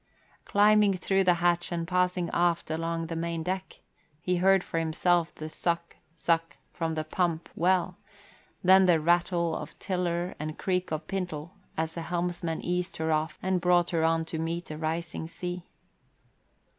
Climbing through the hatch and passing aft along the main deck, he heard for himself the suck suck from the pump well, then the rattle of tiller and creak of pintle as the helmsmen eased her off and brought her on to meet a rising sea.